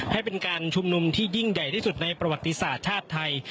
ให้เป็นการชุมนุมที่ยิ่งใหญ่ที่สุดในประวัติศาสตร์ชาติไทย